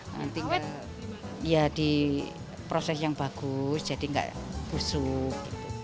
nanti kan ya di proses yang bagus jadi nggak busuk gitu